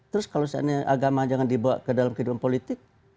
terus kalau seandainya agama jangan dibawa ke dalam kehidupan politik